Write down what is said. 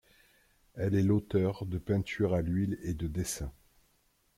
Elle est l'auteure de peintures à l'huile et de dessins.